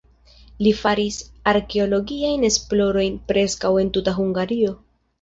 Li faris arkeologiajn esplorojn preskaŭ en tuta Hungario.